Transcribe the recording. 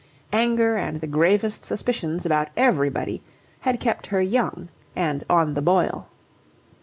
Anger and the gravest suspicions about everybody had kept her young and on the boil.